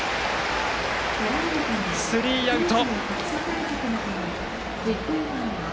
スリーアウト。